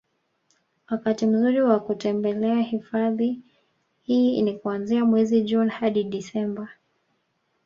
wakati mzuri wa kutembelea hifadhi hii ni kuanzia mwezi June hadi Desemba